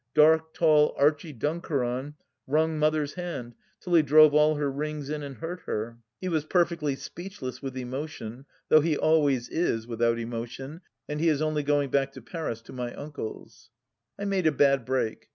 Dark, tall Archie Dunkeron wrung Mother's hand till he drove all her rings in and hurt her ; he was perfectly speechless with emotion, though he always is, without emotion, and he is only going back to Paris to my uncle's. I made a bad break.